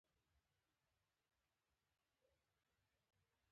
هغه د ملک شمس الدین څخه یاغي شوی وو.